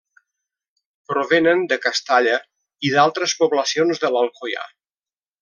Provenen de Castalla i d'altres poblacions de l'Alcoià.